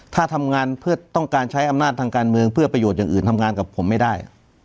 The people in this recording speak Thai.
ถ้าทำงานเพื่อต้องการใช้อำนาจทางการเมืองเพื่อประโยชน์อย่างอื่นทำงานกับผมไม่ได้